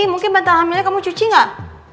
mungkin bantal hamilnya kamu cuci enggak